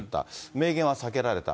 明言は避けられた。